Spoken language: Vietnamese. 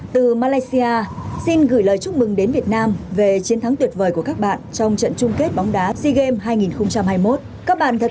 từ malaysia xin gửi lời chúc mừng đến việt nam về chiến thắng tuyệt vời của các bạn trong trận chung kết bóng đá sea games hai nghìn hai mươi một